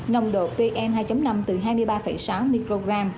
nồng độ pm hai năm từ hai mươi ba sáu microgram